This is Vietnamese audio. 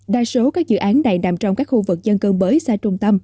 đa số các dự án này nằm trong các khu vực dân cương bới xa trung tâm